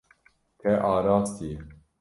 Te arastiye.